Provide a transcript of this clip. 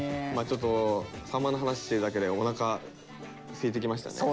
ちょっとさんまの話してるだけでおなかすいてきましたね。